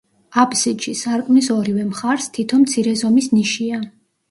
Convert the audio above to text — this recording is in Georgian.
აბსიდში, სარკმლის ორივე მხარს, თითო მცირე ზომის ნიშია.